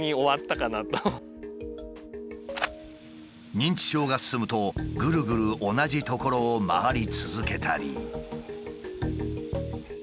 認知症が進むとぐるぐる同じ所を回り続けたり。